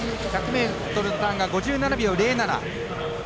１００ｍのターンが５７秒０７。